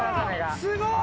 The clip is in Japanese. すごい。